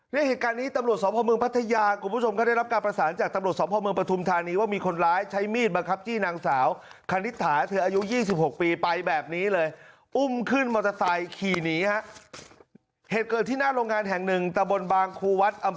ในเหตุการณ์นี้ตำรวจสอบพลเมืองพัทยาคุณผู้ชมก็ได้รับการประสานจากตำรวจสอบพลเมืองประทุมธานีว่ามีคนร้ายใช้มีดมาครับจี้นางสาว